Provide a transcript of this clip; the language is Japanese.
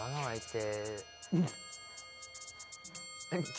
はい。